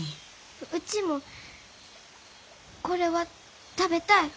うちもこれは食べたい。